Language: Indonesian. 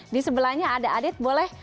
di sebelahnya ada adit boleh